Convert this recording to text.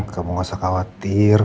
kamu gak usah khawatir